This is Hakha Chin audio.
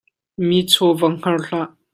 Mi chaw va hngar hlah.